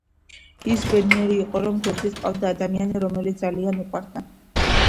ის ბედნიერი იყო, რომ გვერდით ჰყავდა ადამიანი, რომელიც ძალიან უყვარდა.